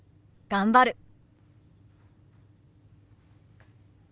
頑張る！